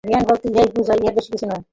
জ্ঞান বলিতে ইহাই বুঝায়, ইহার বেশী কিছু নয়।